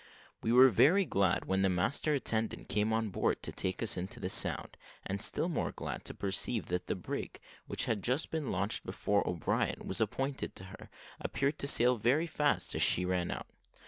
We were very glad when the master attendant came on board to take us into the Sound; and still more glad to perceive that the brig, which had just been launched before O'Brien was appointed to her, appeared to sail very fast as she ran out.